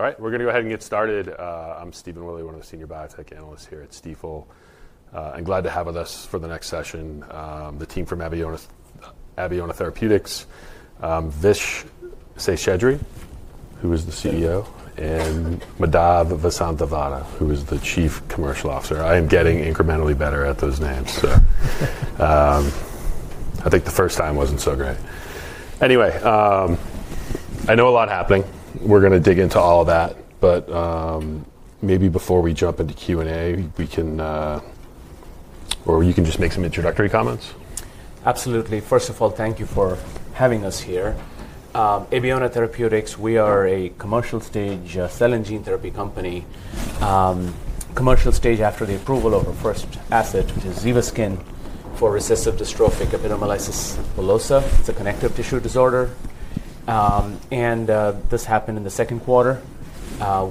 All right, we're going to go ahead and get started. I'm Stephen Woolley, one of the senior biotech analysts here at Stifel. I'm glad to have with us for the next session the team from Abeona Therapeutics, Vish Seshadri, who is the CEO, and Madhav Vasanthavada, who is the Chief Commercial Officer. I am getting incrementally better at those names. I think the first time wasn't so great. Anyway, I know a lot happening. We're going to dig into all of that. Maybe before we jump into Q&A, we can or you can just make some introductory comments. Absolutely. First of all, thank you for having us here. Abeona Therapeutics, we are a commercial stage cell and gene therapy company. Commercial stage after the approval of our first asset, which is ZEVASKYN for recessive dystrophic epidermolysis bullosa. It's a connective tissue disorder. This happened in the second quarter.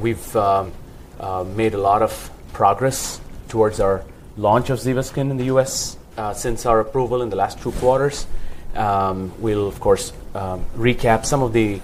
We've made a lot of progress towards our launch of ZEVASKYN in the U.S. since our approval in the last two quarters. We'll, of course, recap. Some of the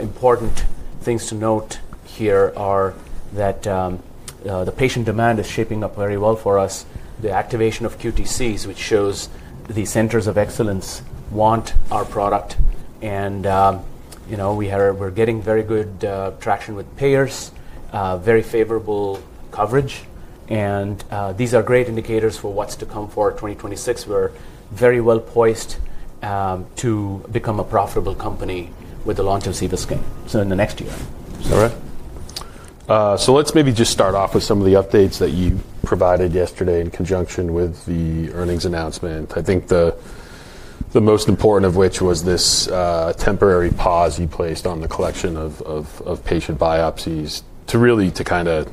important things to note here are that the patient demand is shaping up very well for us, the activation of QTCs, which shows the Centers of Excellence want our product. We're getting very good traction with payers, very favorable coverage. These are great indicators for what's to come for 2026. We're very well poised to become a profitable company with the launch of ZEVASKYN in the next year. All right. Let's maybe just start off with some of the updates that you provided yesterday in conjunction with the earnings announcement. I think the most important of which was this temporary pause you placed on the collection of patient biopsies to really, to kind of,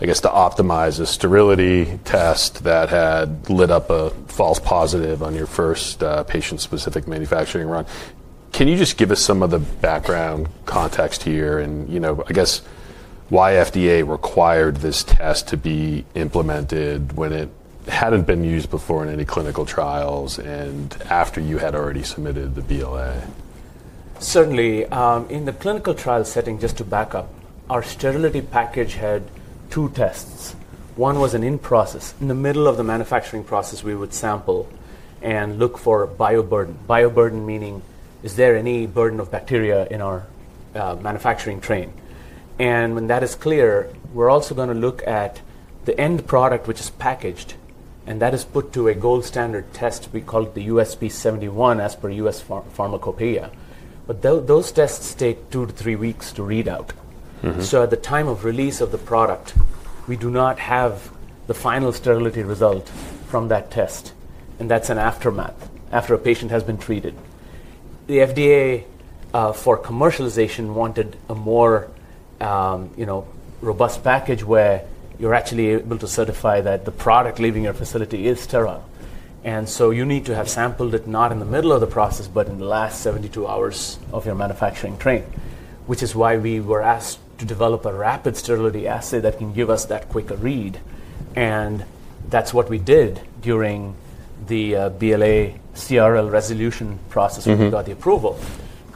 I guess, to optimize a sterility test that had lit up a false positive on your first patient-specific manufacturing run. Can you just give us some of the background context here and, I guess, why FDA required this test to be implemented when it hadn't been used before in any clinical trials and after you had already submitted the BLA? Certainly. In the clinical trial setting, just to back up, our sterility package had two tests. One was an in-process. In the middle of the manufacturing process, we would sample and look for bioburden. Bioburden meaning, is there any burden of bacteria in our manufacturing train? When that is clear, we're also going to look at the end product, which is packaged, and that is put to a gold standard test. We call it the USP 71 as per US Pharmacopeia. Those tests take two to three weeks to read out. At the time of release of the product, we do not have the final sterility result from that test. That's an aftermath after a patient has been treated. The FDA, for commercialization, wanted a more robust package where you're actually able to certify that the product leaving your facility is sterile. You need to have sampled it not in the middle of the process, but in the last 72 hours of your manufacturing train, which is why we were asked to develop a rapid sterility assay that can give us that quicker read. That is what we did during the BLA CRL resolution process when we got the approval.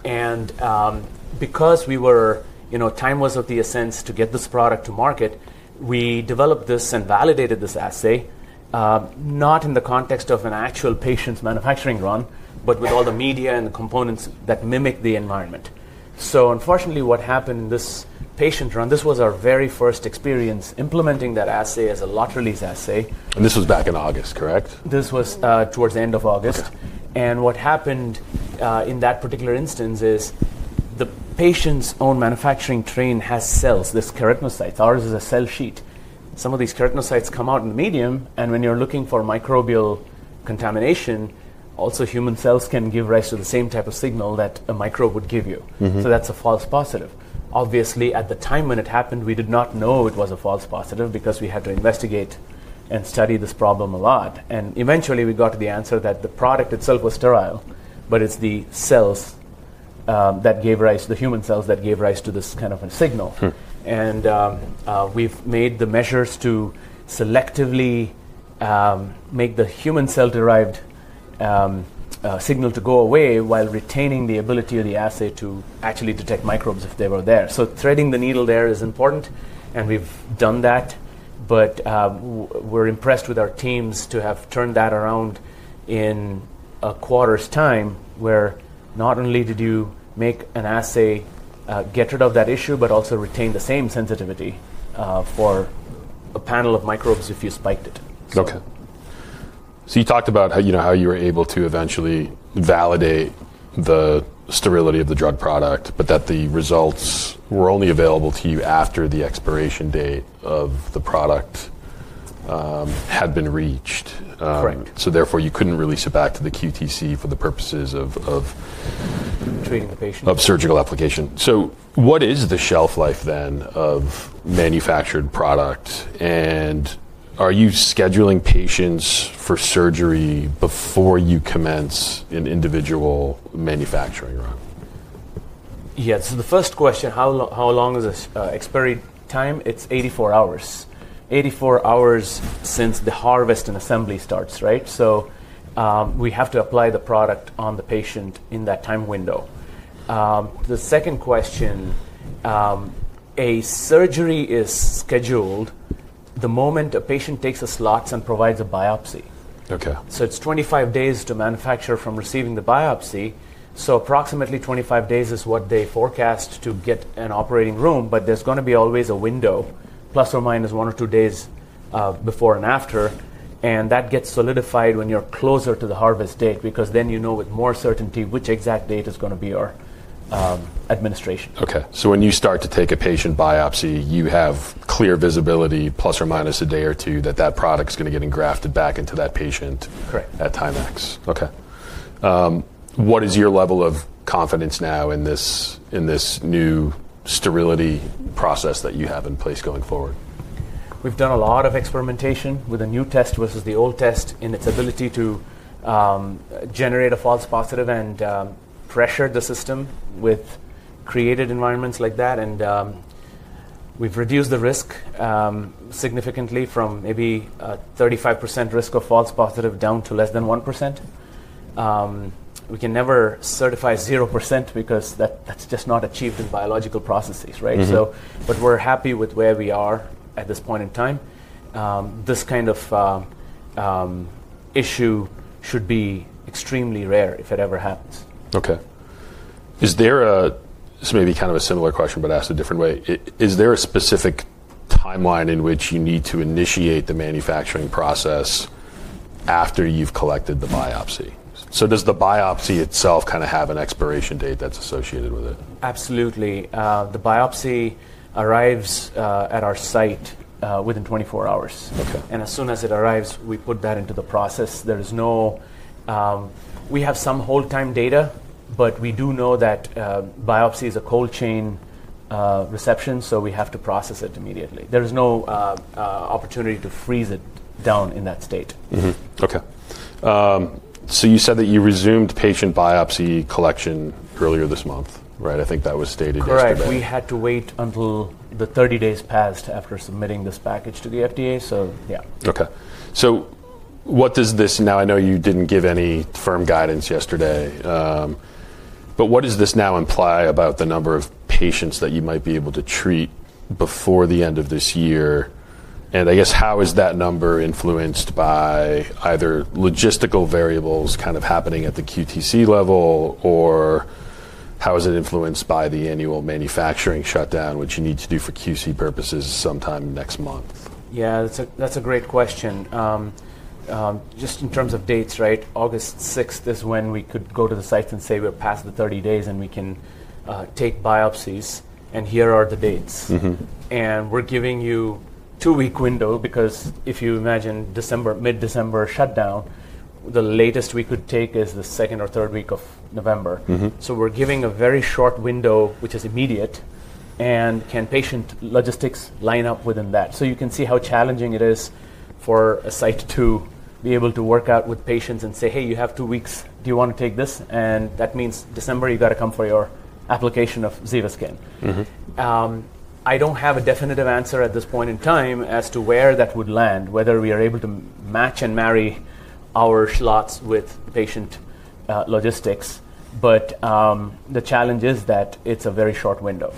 Because time was of the essence to get this product to market, we developed this and validated this assay not in the context of an actual patient's manufacturing run, but with all the media and the components that mimic the environment. Unfortunately, what happened in this patient run, this was our very first experience implementing that assay as a lot release assay. This was back in August, correct? This was towards the end of August. What happened in that particular instance is the patient's own manufacturing train has cells, these keratinocytes. Ours is a cell sheet. Some of these keratinocytes come out in the medium. When you're looking for microbial contamination, also human cells can give rise to the same type of signal that a microbe would give you. That is a false positive. Obviously, at the time when it happened, we did not know it was a false positive because we had to investigate and study this problem a lot. Eventually, we got to the answer that the product itself was sterile, but it's the cells that gave rise to the human cells that gave rise to this kind of a signal. We have made the measures to selectively make the human cell-derived signal go away while retaining the ability of the assay to actually detect microbes if they were there. Threading the needle there is important. We have done that. We are impressed with our teams to have turned that around in a quarter's time where not only did you make an assay get rid of that issue, but also retain the same sensitivity for a panel of microbes if you spiked it. OK. So you talked about how you were able to eventually validate the sterility of the drug product, but that the results were only available to you after the expiration date of the product had been reached. Correct. Therefore, you couldn't release it back to the QTC for the purposes of. Treating the patient. Of surgical application. What is the shelf life then of manufactured product? Are you scheduling patients for surgery before you commence an individual manufacturing run? Yes. The first question, how long is the expiry time? It's 84 hours, 84 hours since the harvest and assembly starts, right? So we have to apply the product on the patient in that time window. The second question, a surgery is scheduled the moment a patient takes his slots and provides a biopsy. OK. It's 25 days to manufacture from receiving the biopsy. Approximately 25 days is what they forecast to get an operating room. There's going to be always a window, plus or minus one or two days before and after. That gets solidified when you're closer to the harvest date because then you know with more certainty which exact date is going to be our administration. OK. So when you start to take a patient biopsy, you have clear visibility, plus or minus a day or two, that that product's going to get engrafted back into that patient at time X. Correct. OK. What is your level of confidence now in this new sterility process that you have in place going forward? We've done a lot of experimentation with a new test versus the old test in its ability to generate a false positive and pressure the system with created environments like that. We've reduced the risk significantly from maybe 35% risk of false positive down to less than 1%. We can never certify 0% because that's just not achieved in biological processes, right? We're happy with where we are at this point in time. This kind of issue should be extremely rare if it ever happens. OK. Is there a—this may be kind of a similar question, but asked a different way. Is there a specific timeline in which you need to initiate the manufacturing process after you've collected the biopsy? Does the biopsy itself kind of have an expiration date that's associated with it? Absolutely. The biopsy arrives at our site within 24 hours. As soon as it arrives, we put that into the process. We have some hold time data, but we do know that biopsy is a cold chain reception, so we have to process it immediately. There is no opportunity to freeze it down in that state. OK. So you said that you resumed patient biopsy collection earlier this month, right? I think that was stated yesterday. Correct. We had to wait until the 30 days passed after submitting this package to the FDA. So yeah. OK. What does this now—I know you didn't give any firm guidance yesterday. What does this now imply about the number of patients that you might be able to treat before the end of this year? I guess, how is that number influenced by either logistical variables kind of happening at the QTC level? How is it influenced by the annual manufacturing shutdown, which you need to do for QC purposes sometime next month? Yeah, that's a great question. Just in terms of dates, right, August 6 is when we could go to the sites and say we're past the 30 days and we can take biopsies. And here are the dates. We're giving you a two-week window because if you imagine December, mid-December shutdown, the latest we could take is the second or third week of November. We're giving a very short window, which is immediate. Can patient logistics line up within that? You can see how challenging it is for a site to be able to work out with patients and say, hey, you have two weeks. Do you want to take this? That means December, you've got to come for your application of ZEVASKYN. I don't have a definitive answer at this point in time as to where that would land, whether we are able to match and marry our slots with patient logistics. The challenge is that it's a very short window.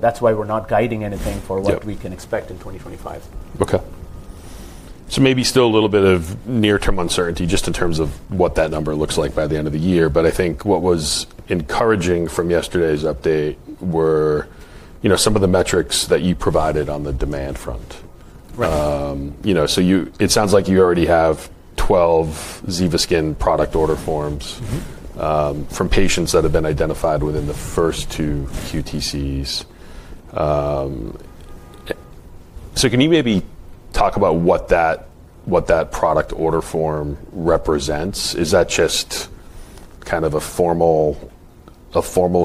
That's why we're not guiding anything for what we can expect in 2025. OK. Maybe still a little bit of near-term uncertainty just in terms of what that number looks like by the end of the year. I think what was encouraging from yesterday's update were some of the metrics that you provided on the demand front. Right. It sounds like you already have 12 ZEVASKYN Product Order Forms from patients that have been identified within the first two QTCs. Can you maybe talk about what that Product Order Form represents? Is that just kind of a formal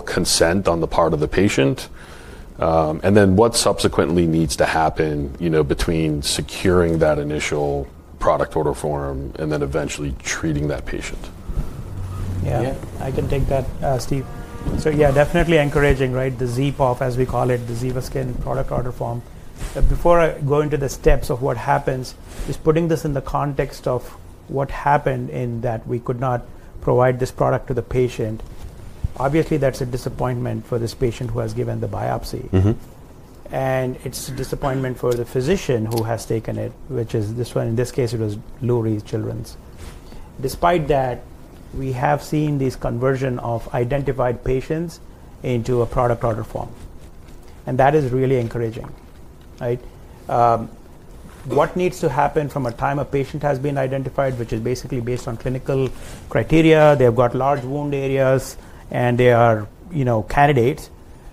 consent on the part of the patient? What subsequently needs to happen between securing that initial Product Order Form and eventually treating that patient? Yeah. I can take that, Steve. Yeah, definitely encouraging, right? The ZPOF, as we call it, the ZEVASKYN Product Order Form. Before I go into the steps of what happens, just putting this in the context of what happened in that we could not provide this product to the patient, obviously, that's a disappointment for this patient who has given the biopsy. And it's a disappointment for the physician who has taken it, which is this one, in this case, it was Lurie Children's. Despite that, we have seen this conversion of identified patients into a Product Order Form. And that is really encouraging, right? What needs to happen from a time a patient has been identified, which is basically based on clinical criteria, they've got large wound areas, and they are candidates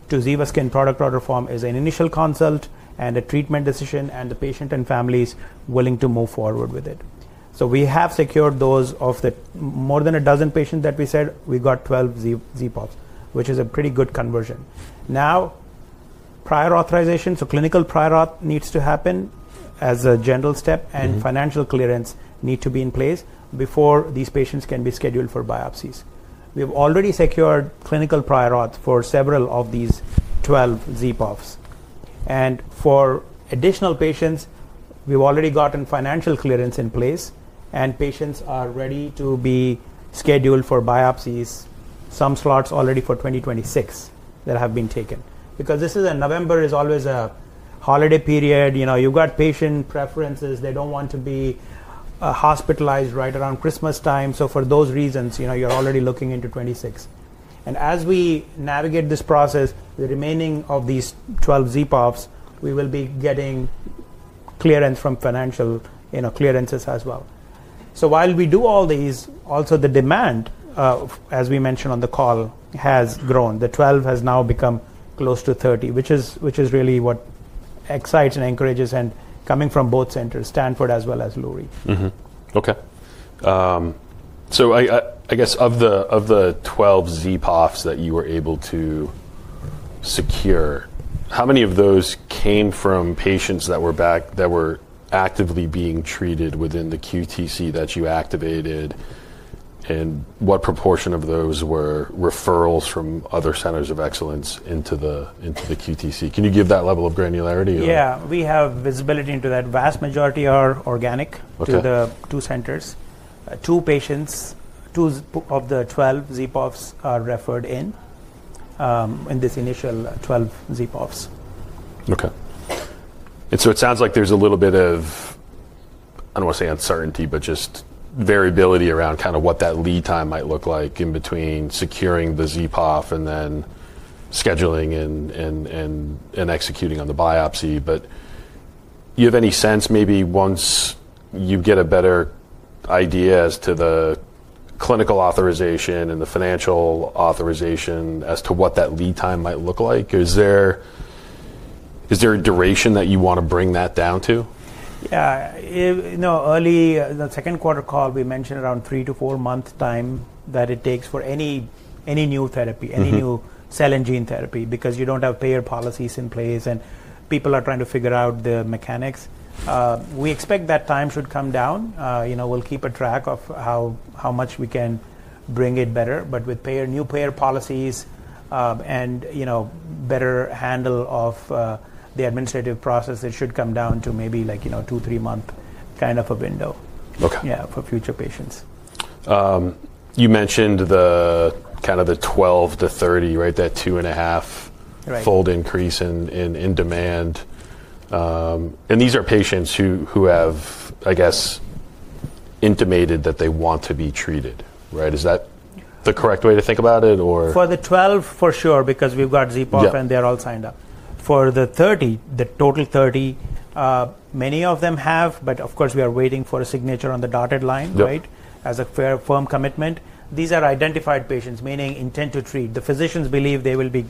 to ZEVASKYN Product Order Form is an initial consult and a treatment decision and the patient and families willing to move forward with it. We have secured those of the more than a dozen patients that we said we got 12 ZPOFs, which is a pretty good conversion. Now, prior authorization, so clinical prior auth needs to happen as a general step, and financial clearance need to be in place before these patients can be scheduled for biopsies. We have already secured clinical prior auth for several of these 12 ZPOFs. For additional patients, we've already gotten financial clearance in place. Patients are ready to be scheduled for biopsies, some slots already for 2026 that have been taken. Because this is a November, it is always a holiday period. You have got patient preferences. They do not want to be hospitalized right around Christmas time. For those reasons, you are already looking into 2026. As we navigate this process, the remaining of these 12 ZPOFs, we will be getting clearance from financial clearances as well. While we do all these, also the demand, as we mentioned on the call, has grown. The 12 has now become close to 30, which is really what excites and encourages and coming from both centers, Stanford as well as Lurie. OK. I guess of the 12 ZPOFs that you were able to secure, how many of those came from patients that were actively being treated within the QTC that you activated? What proportion of those were referrals from other centers of excellence into the QTC? Can you give that level of granularity? Yeah. We have visibility into that. Vast majority are organic to the two centers. Two patients, two of the 12 ZPOFs, are referred in in this initial 12 ZPOFs. OK. It sounds like there's a little bit of, I don't want to say uncertainty, but just variability around kind of what that lead time might look like in between securing the ZPOF and then scheduling and executing on the biopsy. Do you have any sense maybe once you get a better idea as to the clinical authorization and the financial authorization as to what that lead time might look like? Is there a duration that you want to bring that down to? Yeah. Early the second quarter call, we mentioned around 3 months-4 months time that it takes for any new therapy, any new cell and gene therapy because you don't have payer policies in place. People are trying to figure out the mechanics. We expect that time should come down. We'll keep a track of how much we can bring it better. With new payer policies and better handle of the administrative process, it should come down to maybe like a two to three-month kind of a window. OK. Yeah, for future patients. You mentioned kind of the 12-30, right, that 2.5-fold increase in demand. And these are patients who have, I guess, intimated that they want to be treated, right? Is that the correct way to think about it, or? For the 12, for sure, because we've got ZPOF and they're all signed up. For the 30, the total 30, many of them have. Of course, we are waiting for a signature on the dotted line, right, as a firm commitment. These are identified patients, meaning intent to treat. The physicians believe they will be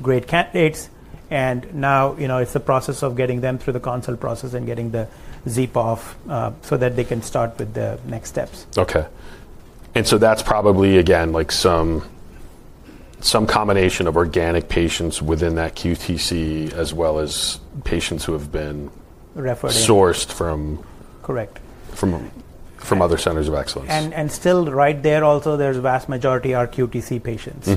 great candidates. Now it's the process of getting them through the consult process and getting the ZPOF so that they can start with the next steps. OK. That's probably, again, like some combination of organic patients within that QTC as well as patients who have been. Referred in. Sourced from. Correct. From other Centers of Excellence. Right there also, the vast majority are QTC patients.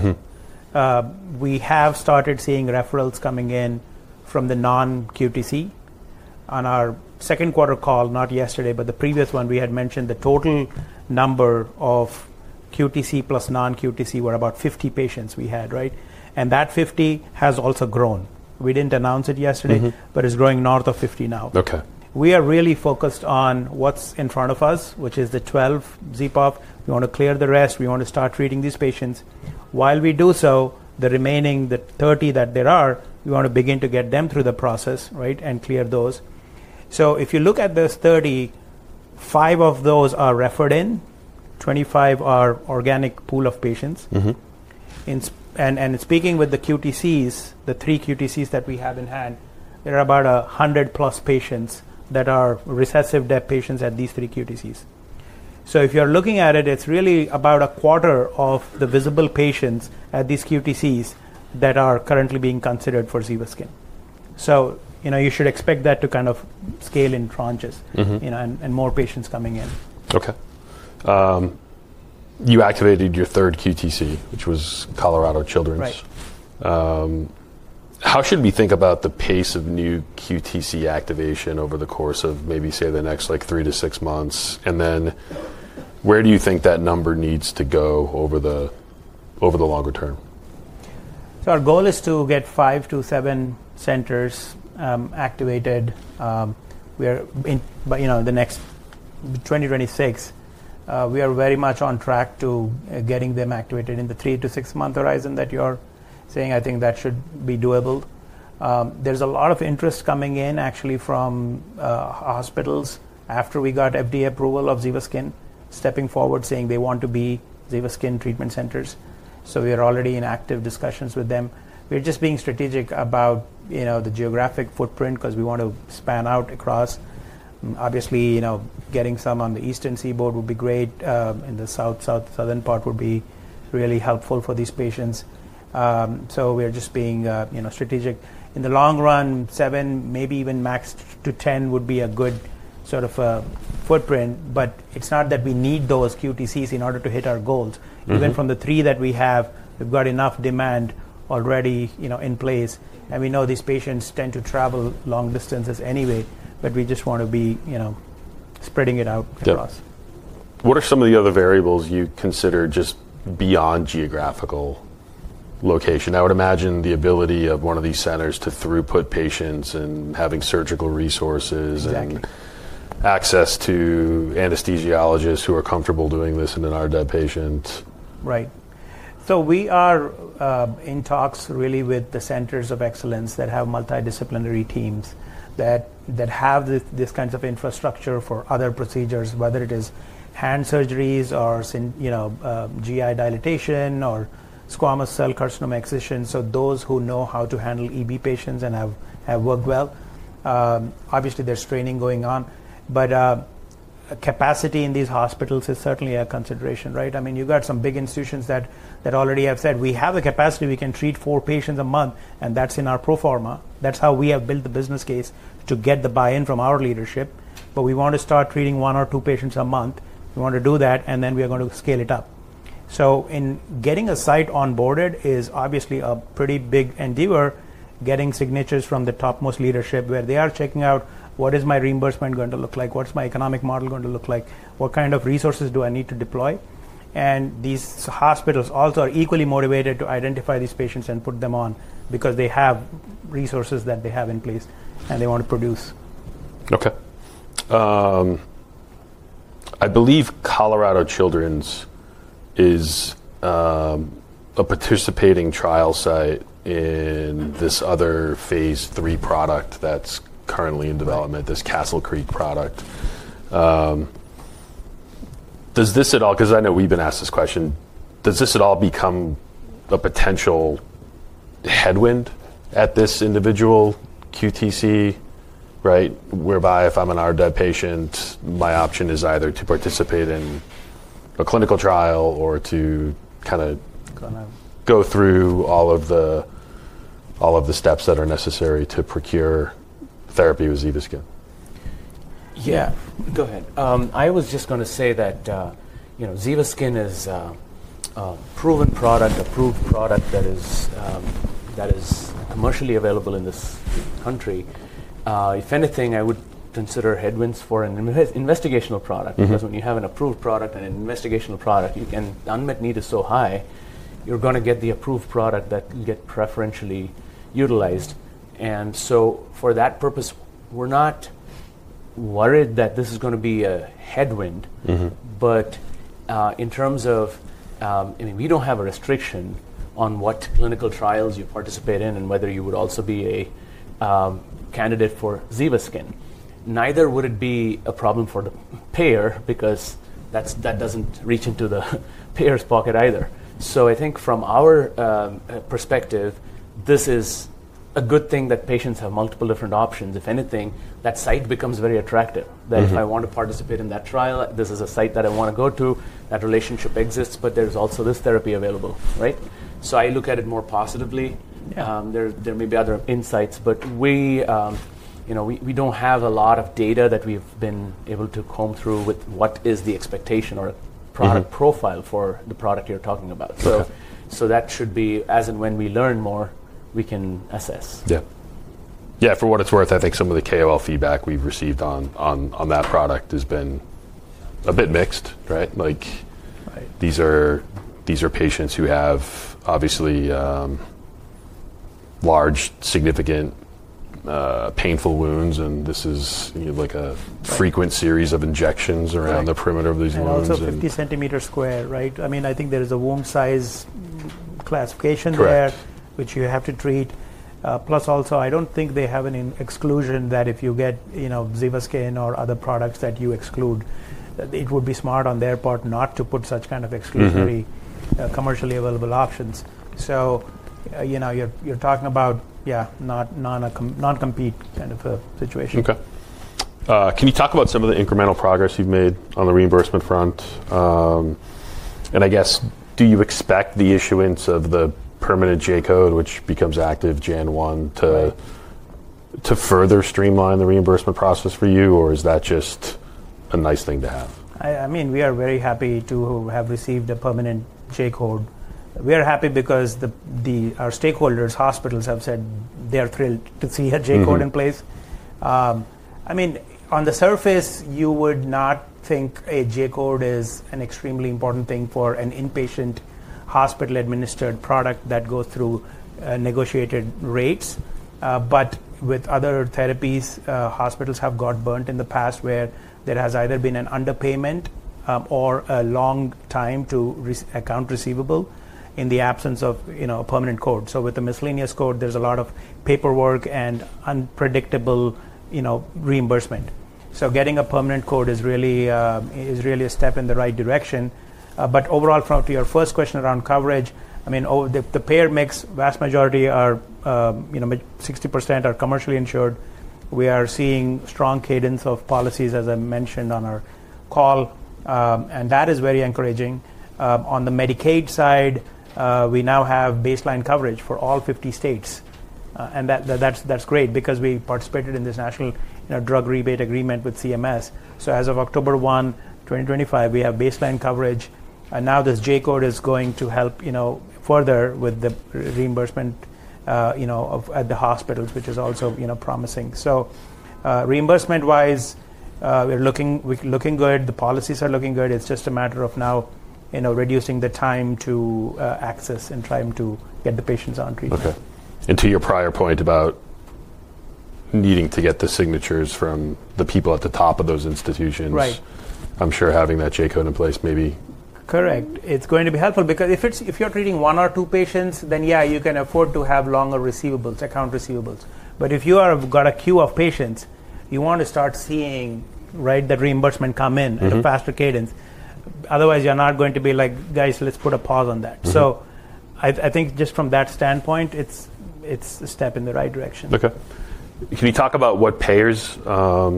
We have started seeing referrals coming in from the non-QTC. On our second quarter call, not yesterday, but the previous one, we had mentioned the total number of QTC plus non-QTC were about 50 patients we had, right? And that 50 has also grown. We did not announce it yesterday, but it is growing north of 50 now. OK. We are really focused on what's in front of us, which is the 12 ZPOF. We want to clear the rest. We want to start treating these patients. While we do so, the remaining, the 30 that there are, we want to begin to get them through the process, right, and clear those. If you look at those 30, five of those are referred in. Twenty-five are organic pool of patients. In speaking with the QTCs, the three QTCs that we have in hand, there are about 100+ patients that are recessive dystrophic patients at these three QTCs. If you're looking at it, it's really about a quarter of the visible patients at these QTCs that are currently being considered for ZEVASKYN. You should expect that to kind of scale in tranches and more patients coming in. OK. You activated your third QTC, which was Colorado Children's. Right. How should we think about the pace of new QTC activation over the course of maybe, say, the next like 3 months-6 months? And then where do you think that number needs to go over the longer term? Our goal is to get 5 centers-7 centers activated. We are in the next 2026, we are very much on track to getting them activated in the three to six-month horizon that you're saying. I think that should be doable. There's a lot of interest coming in, actually, from hospitals after we got FDA approval of ZEVASKYN stepping forward, saying they want to be ZEVASKYN treatment centers. We are already in active discussions with them. We're just being strategic about the geographic footprint because we want to span out across. Obviously, getting some on the eastern seaboard would be great. In the south, southern part would be really helpful for these patients. We're just being strategic. In the long run, seven, maybe even max to 10 would be a good sort of footprint. It's not that we need those QTCs in order to hit our goals. Even from the three that we have, we've got enough demand already in place. We know these patients tend to travel long distances anyway. We just want to be spreading it out across. What are some of the other variables you consider just beyond geographical location? I would imagine the ability of one of these centers to throughput patients and having surgical resources. Exactly. Access to anesthesiologists who are comfortable doing this in an RDEB patient. Right. We are in talks, really, with the Centers of Excellence that have multidisciplinary teams that have this kind of infrastructure for other procedures, whether it is hand surgeries or GI dilatation or squamous cell carcinoma excision. Those who know how to handle EB patients and have worked well. Obviously, there is training going on. Capacity in these hospitals is certainly a consideration, right? I mean, you have some big institutions that already have said, we have a capacity. We can treat four patients a month. That is in our pro forma. That is how we have built the business case to get the buy-in from our leadership. We want to start treating one or two patients a month. We want to do that. We are going to scale it up. In getting a site onboarded is obviously a pretty big endeavor, getting signatures from the topmost leadership where they are checking out what is my reimbursement going to look like, what's my economic model going to look like, what kind of resources do I need to deploy. These hospitals also are equally motivated to identify these patients and put them on because they have resources that they have in place and they want to produce. OK. I believe Colorado Children's is a participating trial site in this other phase III product that's currently in development, this Castle Creek product. Does this at all, because I know we've been asked this question, does this at all become a potential headwind at this individual QTC, right, whereby if I'm an RDEB patient, my option is either to participate in a clinical trial or to kind of go through all of the steps that are necessary to procure therapy with ZEVASKYN? Yeah. Go ahead. I was just going to say that ZEVASKYN is a proven product, approved product that is commercially available in this country. If anything, I would consider headwinds for an investigational product because when you have an approved product and an investigational product, the unmet need is so high, you're going to get the approved product that you get preferentially utilized. For that purpose, we're not worried that this is going to be a headwind. In terms of, I mean, we don't have a restriction on what clinical trials you participate in and whether you would also be a candidate for ZEVASKYN. Neither would it be a problem for the payer because that doesn't reach into the payer's pocket either. I think from our perspective, this is a good thing that patients have multiple different options. If anything, that site becomes very attractive, that if I want to participate in that trial, this is a site that I want to go to. That relationship exists. There is also this therapy available, right? I look at it more positively. There may be other insights. We do not have a lot of data that we have been able to comb through with what is the expectation or product profile for the product you are talking about. That should be, as and when we learn more, we can assess. Yeah. Yeah, for what it's worth, I think some of the KOL feedback we've received on that product has been a bit mixed, right? Like these are patients who have obviously large, significant, painful wounds. And this is like a frequent series of injections around the perimeter of these wounds. Yeah, up to 50 cm square, right? I mean, I think there is a wound size classification there, which you have to treat. Plus also, I don't think they have an exclusion that if you get ZEVASKYN or other products that you exclude, it would be smart on their part not to put such kind of exclusively commercially available options. You're talking about, yeah, non-compete kind of a situation. OK. Can you talk about some of the incremental progress you've made on the reimbursement front? I guess, do you expect the issuance of the permanent J Code, which becomes active January 1, to further streamline the reimbursement process for you, or is that just a nice thing to have? I mean, we are very happy to have received a permanent J Code. We are happy because our stakeholders, hospitals, have said they are thrilled to see a J Code in place. I mean, on the surface, you would not think a J Code is an extremely important thing for an inpatient hospital-administered product that goes through negotiated rates. With other therapies, hospitals have got burnt in the past where there has either been an underpayment or a long time to account receivable in the absence of a permanent code. With the miscellaneous code, there is a lot of paperwork and unpredictable reimbursement. Getting a permanent code is really a step in the right direction. Overall, to your first question around coverage, I mean, the payer mix, vast majority, 60% are commercially insured. We are seeing strong cadence of policies, as I mentioned on our call. That is very encouraging. On the Medicaid side, we now have baseline coverage for all 50 states. That is great because we participated in this national drug rebate agreement with CMS. As of October 1, 2025, we have baseline coverage. This J Code is going to help further with the reimbursement at the hospitals, which is also promising. Reimbursement-wise, we are looking good. The policies are looking good. It is just a matter of now reducing the time to access and trying to get the patients on treatment. OK. To your prior point about needing to get the signatures from the people at the top of those institutions, I'm sure having that J Code in place maybe. Correct. It's going to be helpful because if you're treating one or two patients, then yeah, you can afford to have longer receivables, account receivables. If you have got a queue of patients, you want to start seeing, right, the reimbursement come in at a faster cadence. Otherwise, you're not going to be like, guys, let's put a pause on that. I think just from that standpoint, it's a step in the right direction. OK. Can you talk about what payers are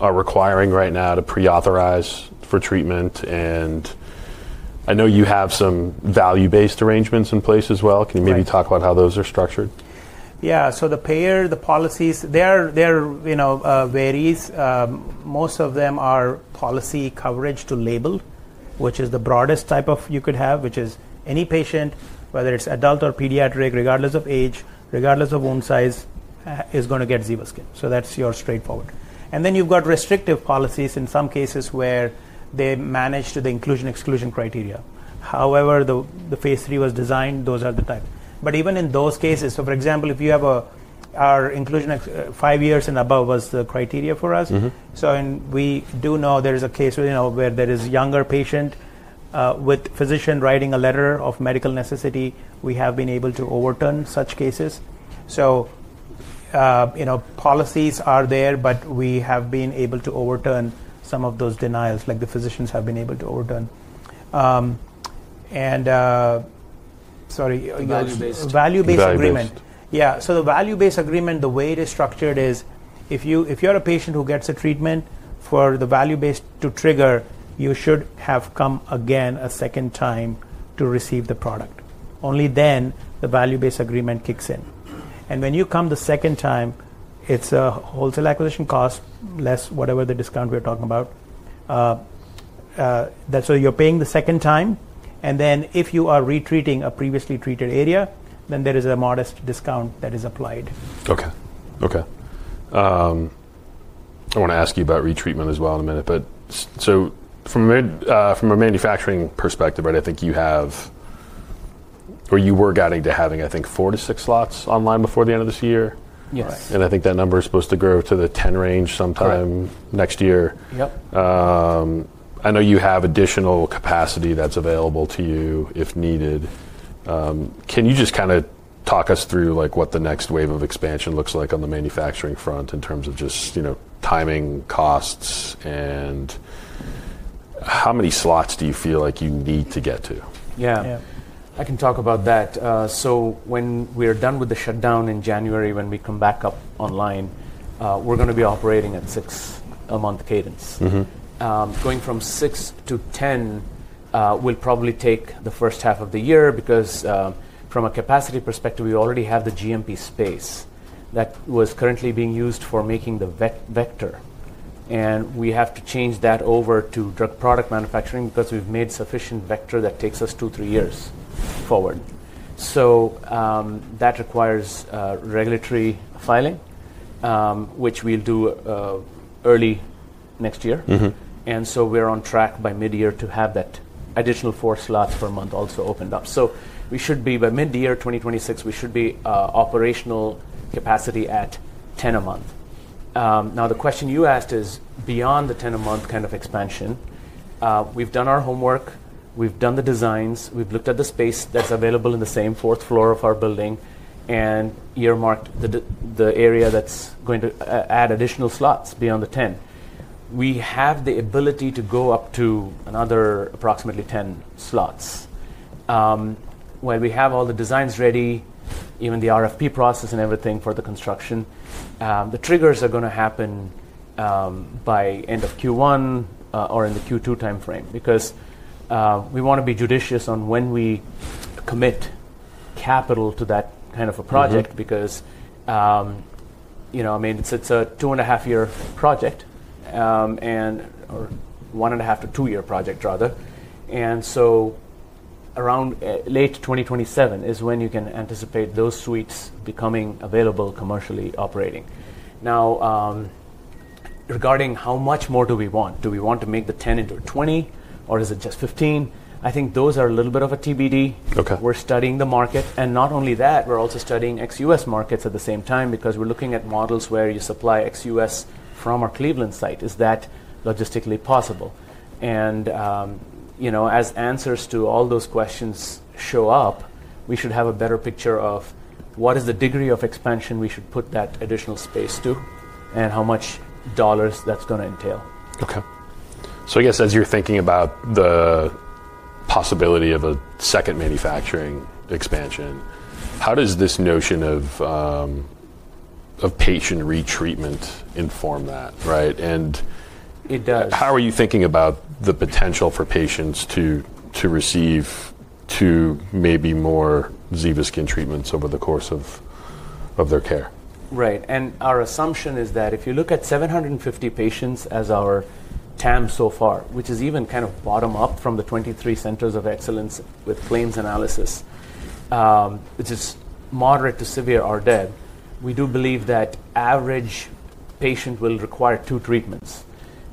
requiring right now to pre-authorize for treatment? I know you have some value-based arrangements in place as well. Can you maybe talk about how those are structured? Yeah. So the payer, the policies, they varies. Most of them are policy coverage to label, which is the broadest type you could have, which is any patient, whether it's adult or pediatric, regardless of age, regardless of wound size, is going to get ZEVASKYN. That's your straightforward. Then you've got restrictive policies in some cases where they manage to the inclusion-exclusion criteria, however the phase three was designed. Those are the type. Even in those cases, for example, if you have our inclusion five years and above was the criteria for us. We do know there is a case where there is a younger patient with a physician writing a letter of medical necessity. We have been able to overturn such cases. Policies are there, but we have been able to overturn some of those denials, like the physicians have been able to overturn. Sorry. Value-based. Value-based agreement. Yeah. The value-based agreement, the way it is structured is if you're a patient who gets a treatment, for the value-based to trigger, you should have come again a second time to receive the product. Only then the value-based agreement kicks in. When you come the second time, it's a wholesale acquisition cost, less whatever the discount we're talking about. You're paying the second time. If you are retreating a previously treated area, then there is a modest discount that is applied. OK. OK. I want to ask you about retreatment as well in a minute. From a manufacturing perspective, right, I think you have or you were getting to having, I think, four slots-six slots online before the end of this year. Yes. I think that number is supposed to grow to the 10 range sometime next year. Yep. I know you have additional capacity that's available to you if needed. Can you just kind of talk us through what the next wave of expansion looks like on the manufacturing front in terms of just timing, costs, and how many slots do you feel like you need to get to? Yeah. I can talk about that. When we are done with the shutdown in January, when we come back up online, we're going to be operating at six a month cadence. Going from 6-10 will probably take the first half of the year because from a capacity perspective, we already have the GMP space that was currently being used for making the vector. We have to change that over to drug product manufacturing because we've made sufficient vector that takes us two, three years forward. That requires regulatory filing, which we'll do early next year. We're on track by mid-year to have that additional four slots per month also opened up. We should be by mid-year 2026, we should be operational capacity at 10 a month. Now, the question you asked is beyond the 10 a month kind of expansion. We've done our homework. We've done the designs. We've looked at the space that's available in the same fourth floor of our building and earmarked the area that's going to add additional slots beyond the 10. We have the ability to go up to another approximately 10 slots. While we have all the designs ready, even the RFP process and everything for the construction, the triggers are going to happen by end of Q1 or in the Q2 time frame because we want to be judicious on when we commit capital to that kind of a project because, I mean, it's a two and a half year project or one and a half to two year project, rather. Around late 2027 is when you can anticipate those suites becoming available commercially operating. Now, regarding how much more do we want? Do we want to make the 10 into 20, or is it just 15? I think those are a little bit of a TBD. We're studying the market. Not only that, we're also studying XUS markets at the same time because we're looking at models where you supply XUS from our Cleveland site. Is that logistically possible? As answers to all those questions show up, we should have a better picture of what is the degree of expansion we should put that additional space to and how much dollars that's going to entail. OK. I guess as you're thinking about the possibility of a second manufacturing expansion, how does this notion of patient retreatment inform that, right? It does. How are you thinking about the potential for patients to receive two, maybe more, ZEVASKYN treatments over the course of their care? Right. Our assumption is that if you look at 750 patients as our TAM so far, which is even kind of bottom up from the 23 Centers of Excellence with claims analysis, which is moderate to severe RDEB, we do believe that the average patient will require two treatments.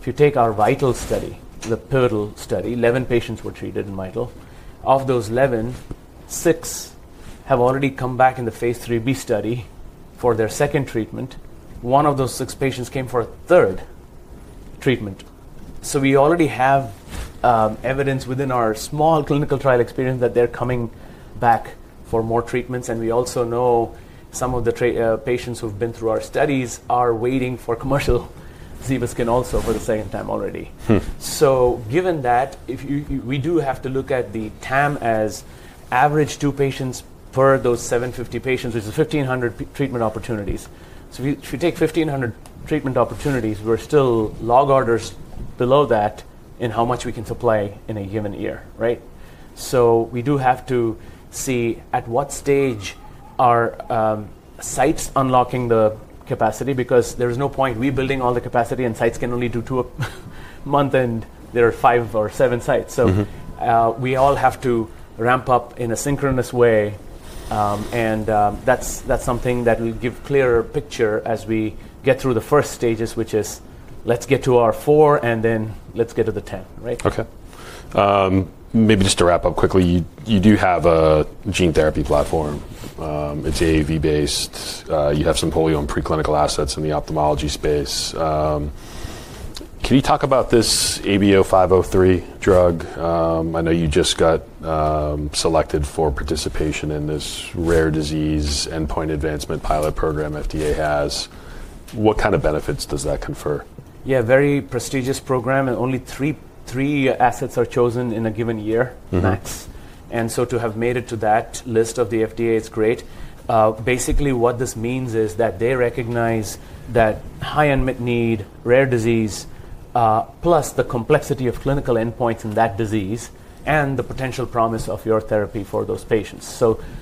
If you take our VIITAL study, the pivotal study, 11 patients were treated in VIITAL. Of those 11, six have already come back in the phase three B study for their second treatment. One of those six patients came for a third treatment. We already have evidence within our small clinical trial experience that they're coming back for more treatments. We also know some of the patients who've been through our studies are waiting for commercial ZEVASKYN also for the second time already. Given that, we do have to look at the TAM as average two patients per those 750 patients, which is 1,500 treatment opportunities. If you take 1,500 treatment opportunities, we're still log orders below that in how much we can supply in a given year, right? We do have to see at what stage are sites unlocking the capacity because there is no point rebuilding all the capacity and sites can only do two a month and there are five or seven sites. We all have to ramp up in a synchronous way. That's something that will give a clearer picture as we get through the first stages, which is let's get to our four and then let's get to the 10, right? OK. Maybe just to wrap up quickly, you do have a gene therapy platform. It's AAV-based. You have some polio and preclinical assets in the ophthalmology space. Can you talk about this ABO 503 drug? I know you just got selected for participation in this rare disease endpoint advancement pilot program FDA has. What kind of benefits does that confer? Yeah, very prestigious program. Only three assets are chosen in a given year max. To have made it to that list of the FDA, it's great. Basically, what this means is that they recognize that high unmet need, rare disease, plus the complexity of clinical endpoints in that disease and the potential promise of your therapy for those patients.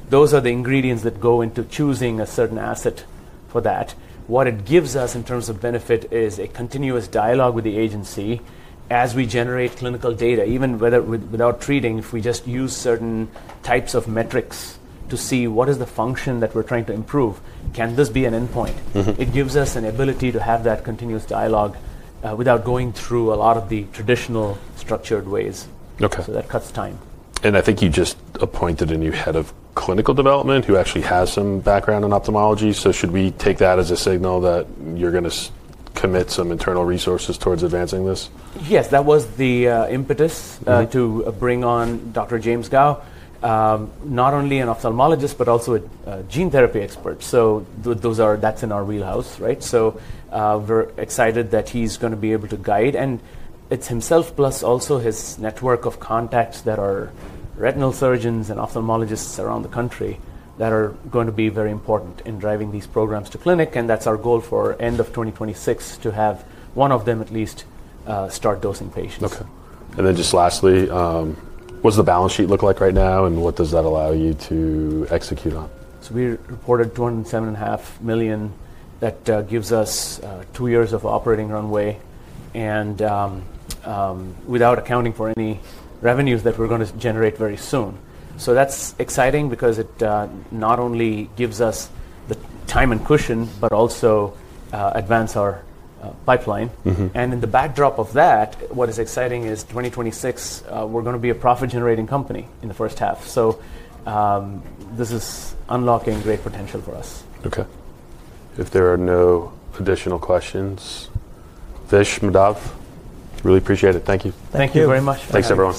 Those are the ingredients that go into choosing a certain asset for that. What it gives us in terms of benefit is a continuous dialogue with the agency as we generate clinical data, even without treating, if we just use certain types of metrics to see what is the function that we're trying to improve, can this be an endpoint? It gives us an ability to have that continuous dialogue without going through a lot of the traditional structured ways. That cuts time. I think you just appointed a new head of clinical development who actually has some background in ophthalmology. Should we take that as a signal that you're going to commit some internal resources towards advancing this? Yes, that was the impetus to bring on Dr. James Gow, not only an ophthalmologist, but also a gene therapy expert. That is in our wheelhouse, right? We are excited that he is going to be able to guide. It is himself, plus also his network of contacts that are retinal surgeons and ophthalmologists around the country that are going to be very important in driving these programs to clinic. Our goal is for end of 2026 to have one of them at least start dosing patients. OK. And then just lastly, what does the balance sheet look like right now? What does that allow you to execute on? We reported $207.5 million that gives us two years of operating runway without accounting for any revenues that we're going to generate very soon. That's exciting because it not only gives us the time and cushion, but also advance our pipeline. In the backdrop of that, what is exciting is 2026, we're going to be a profit-generating company in the first half. This is unlocking great potential for us. OK. If there are no additional questions, Vish, Madhav, really appreciate it. Thank you. Thank you very much. Thanks everyone.